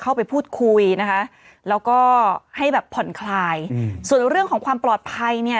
เข้าไปพูดคุยนะคะแล้วก็ให้แบบผ่อนคลายอืมส่วนเรื่องของความปลอดภัยเนี่ย